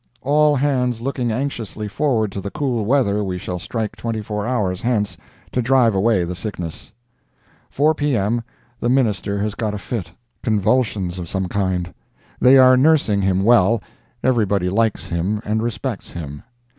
"All hands looking anxiously forward to the cool weather we shall strike twenty four hours hence, to drive away the sickness." "4 P.M.—The Minister has got a fit—convulsions of some kind. They are nursing him well; everybody likes him and respects him."